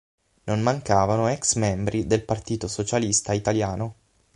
Non mancavano ex-membri del Partito Socialista Italiano.